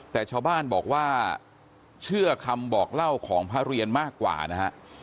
แต่ชาวบ้านบอกว่าเชื่อคำบอกเล่าของพระเรียนมากกว่านะฮะ